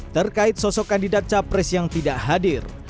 terkait sosok kandidat capres yang tidak hadir